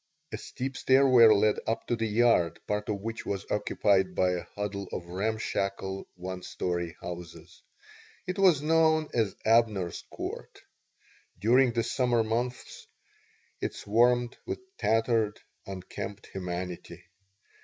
A steep stairway led up to the yard, part of which was occupied by a huddle of ramshackle one story houses. It was known as Abner's Court. During the summer months it swarmed with tattered, unkempt humanity.